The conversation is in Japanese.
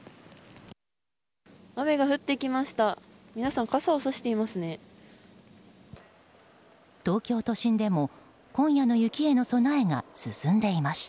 雨が降ってきました。